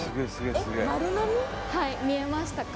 えっはい見えましたか？